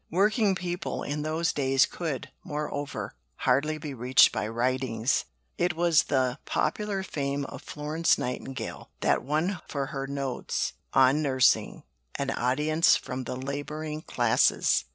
Working people in those days could, moreover, hardly be reached by writings. It was the popular fame of Florence Nightingale that won for her Notes on Nursing an audience from "the Labouring Classes."